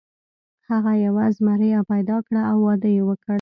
هغه یوه زمریه پیدا کړه او واده یې وکړ.